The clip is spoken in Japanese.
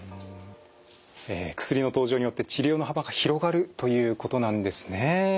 薬の登場によって治療の幅が広がるということなんですね。